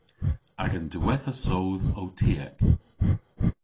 Agan diwettha soodh o tiek.